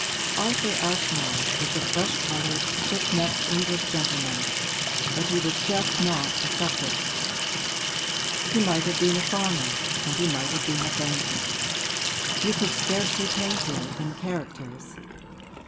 Arthur Ashmore was a fresh coloured, thick necked English gentleman, but he was just not a subject; he might have been a farmer and he might have been a banker: you could scarcely paint him in characters.